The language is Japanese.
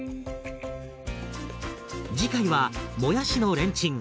次回はもやしのレンチン。